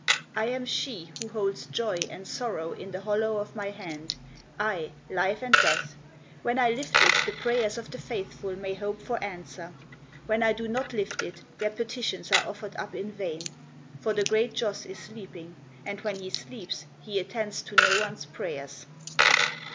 " I am she who holds joy and sorrow in the hollow of my hand ; ay, life and death. When I lift it the prayers of the faithful may hope for answer ; when I do not lift it, their petitions are offered up in vain, for the Great Joss is sleeping ; and, when he sleeps, he attends to no one's prayers."